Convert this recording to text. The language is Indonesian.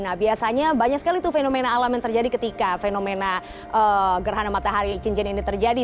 nah biasanya banyak sekali tuh fenomena alam yang terjadi ketika fenomena gerhana matahari cincin ini terjadi